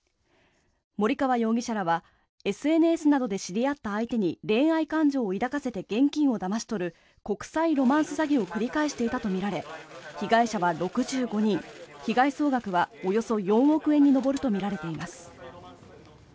森川容疑者らはＳＮＳなどで知り合った相手に恋愛感情を抱かせて現金をだまし取る国際ロマンス詐欺を繰り返していたとみられ被害者は６５人被害総額はおよそ４億円に上るとみられています。